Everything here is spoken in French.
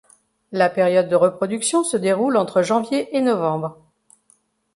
La période de reproduction se déroule entre janvier et novembre.